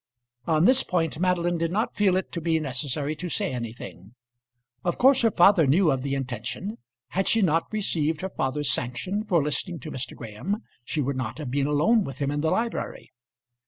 On this point Madeline did not feel it to be necessary to say anything. Of course her father knew of the intention. Had she not received her father's sanction for listening to Mr. Graham she would not have been alone with him in the library.